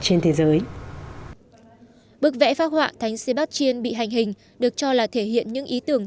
trên thế giới bức vẽ phát họa thánh sébastien bị hành hình được cho là thể hiện những ý tưởng